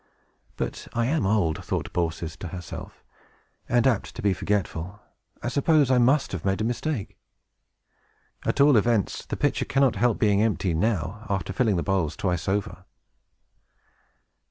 "But I am old," thought Baucis to herself, "and apt to be forgetful. I suppose I must have made a mistake. At all events, the pitcher cannot help being empty now, after filling the bowls twice over."